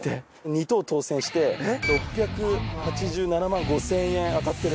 ２等当選して６８７万５，０００円当たってる。